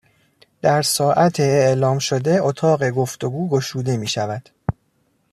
در ساعت اعلام شده، اتاق گفتوگو گشوده میشود